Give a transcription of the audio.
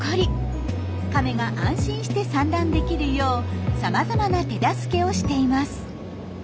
カメが安心して産卵できるようさまざまな手助けをしています。